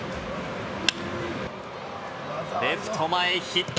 レフト前ヒット。